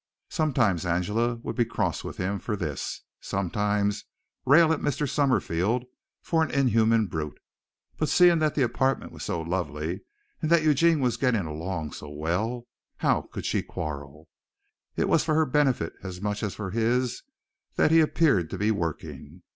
Sometimes Angela would be cross with him for this, sometimes rail at Mr. Summerfield for an inhuman brute, but seeing that the apartment was so lovely and that Eugene was getting along so well, how could she quarrel? It was for her benefit as much as for his that he appeared to be working.